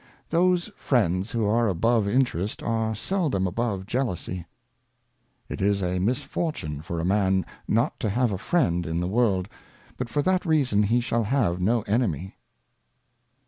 Those Friends who are above Interest are seldom above Jealousy. It is a Misfortune for a Man not to have a Friend in the World, but for that reason he shall have no Enemy.